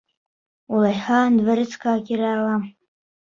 Улайһа, дворецҡа кире алам!